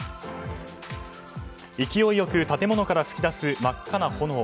勢いよく建物から噴き出す真っ赤な炎。